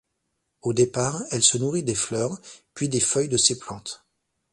Au départ, elle se nourrit des fleurs, puis des feuilles de ces plantes.